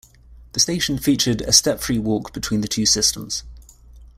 The station featured a step-free walk between the two systems.